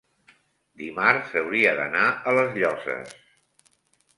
dimarts hauria d'anar a les Llosses.